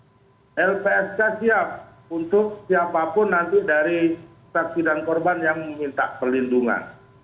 kompolnas ham menyampaikan sisi sisi asli ada lpsk siap untuk siapapun nanti dari saksi dan korban yang meminta perlindungan